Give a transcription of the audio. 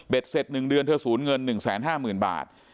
เสร็จ๑เดือนเธอสูญเงิน๑๕๐๐๐บาท